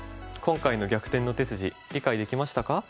今回の「逆転の手筋」理解できましたか？